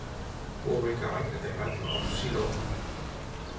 Beauregard at the Battle of Shiloh.